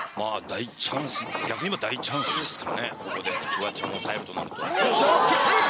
大チャンス、逆に言えば大チャンスですからね、ここでフワちゃんをおさえるとなると。